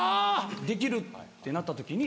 できるってなった時に。